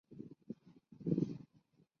玩家可以选择手动或者自动换挡。